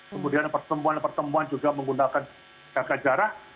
kemudian pertemuan pertemuan juga menggunakan jaga jarak